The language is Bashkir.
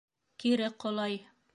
Кире ҡолай.